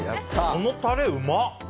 このタレ、うま！